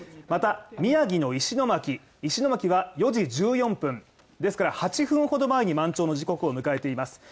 また、宮城の石野巻は４時１４分ですから８分ほど前に満潮の時刻を迎えています。